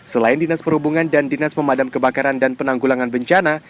selain dinas perhubungan dan dinas pemadam kebakaran dan penanggulangan bencana